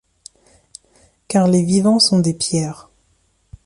Car les vivants sont des pierres